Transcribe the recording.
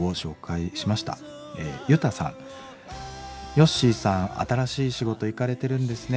「ヨッシーさん新しい仕事行かれてるんですね。